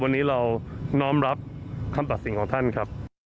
วันนี้เราน้อมรับคำตัดสินของท่านครับ